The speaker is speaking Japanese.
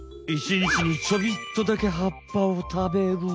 １日にちょびっとだけ葉っぱをたべる。